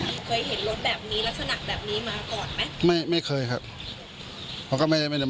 เคยเห็นรถแบบนี้ลักษณะแบบนี้มาก่อนไหมไม่ไม่เคยครับ